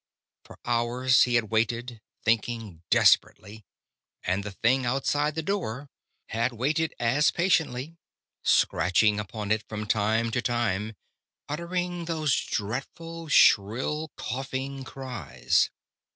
For hours he had waited, thinking desperately. And the thing outside the door had waited as patiently, scratching upon it from time to time, uttering those dreadful, shrill coughing cries.